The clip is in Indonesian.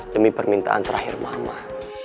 demi permintaan terakhir mamah